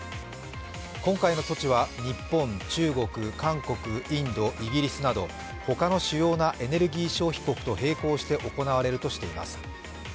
今回の措置は、日本、中国、韓国、インド、イギリスなど他の主要なエネルギー消費国と並行して行われるとしています。